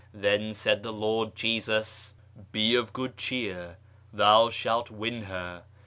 Then said the Lord Jesus, ' Be of good cheer, thou shaft win her.